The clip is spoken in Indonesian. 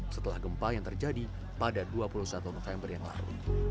setelah gempa yang terjadi pada dua puluh satu november yang lalu